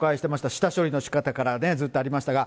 下処理のしかたから、ずっとありましたが。